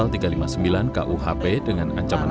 di luar peradilan namun